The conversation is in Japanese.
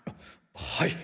はい。